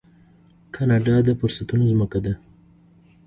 کاناډا د فرصتونو ځمکه ده.